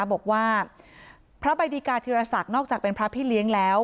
บอกว่าพระใบดิกาธิรษักนอกจากเป็นพระพี่เลี้ยงแล้ว